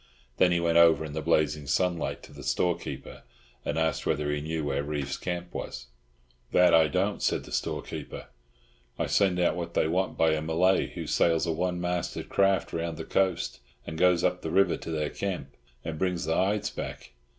Then he went over in the blazing sunlight to the storekeeper, and asked whether he knew where Reeves' camp was. "That I don't," said the storekeeper. "I send out what they want by a Malay who sails a one masted craft round the coast, and goes up the river to their camp, and brings the hides back.